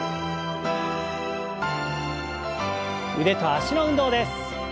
腕と脚の運動です。